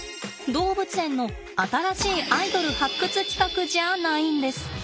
動物園の新しいアイドル発掘企画じゃないんです。